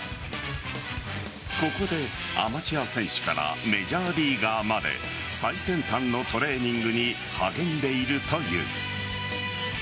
ここでアマチュア選手からメジャーリーガーまで最先端のトレーニングに励んでいるという。